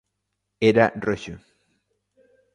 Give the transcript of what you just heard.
Era roxo.